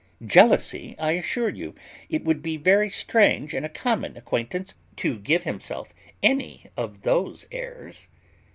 "Jealousy! I assure you, it would be very strange in a common acquaintance to give himself any of those airs."